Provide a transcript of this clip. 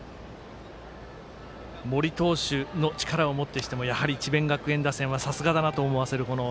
森投手の力をもってしてもやはり智弁学園打線はさすがだなと思わせるものを。